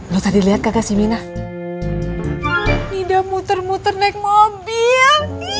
lu tadi lihat kagak sibina tidak muter muter naik mobil